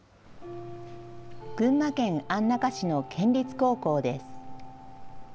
群馬県安中市の県立高校です。